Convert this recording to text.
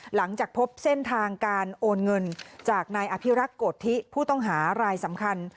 หลังจากพบเส้นทางการโอนเงินจากนายอภิรักษ์โกธิผู้ต้องหารายสำคัญ